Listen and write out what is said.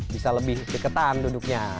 bisa lebih deketan duduknya